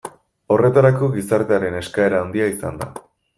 Horretarako gizartearen eskaera handia izan da.